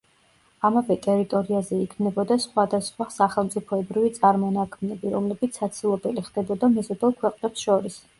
ამავე ტერიტორიაზე იქმნებოდა სხვადასხვა სახელმწიფოებრივი წარმონაქმნები, რომლებიც საცილობელი ხდებოდა მეზობელ ქვეყნებს შორის.